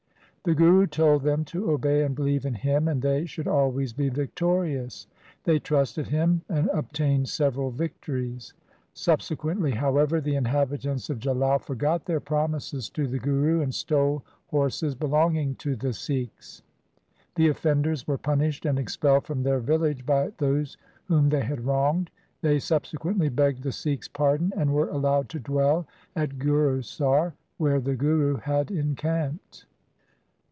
The Guru told them to obey and believe in him, and they should always be victorious. They trusted him and obta'ned several victories. Subsequently, however, the inhabitants of Jalal forgot their promises to the Guru, and stole horses belonging to the Sikhs. The offenders were punished and expelled from their village by those whom they had wronged. They subsequently begged the Sikhs' pardon, and were allowed to dwell at Gurusar 1 , where the Guru had encamped.